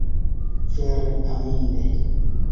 Vere aminde!